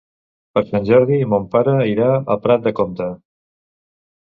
Per Sant Jordi mon pare irà a Prat de Comte.